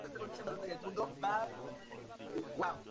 Era de extracción patricia.